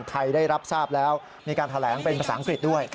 ได้รับทราบแล้วมีการแถลงเป็นภาษาอังกฤษด้วย